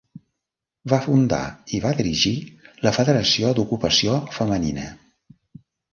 Va fundar i va dirigir la Federació d'Ocupació Femenina.